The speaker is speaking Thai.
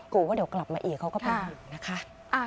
ว่าเดี๋ยวกลับมาอีกเขาก็เป็นห่วงนะคะ